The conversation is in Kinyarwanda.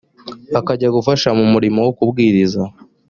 akajya gufasha mu murimo wo kubwiriza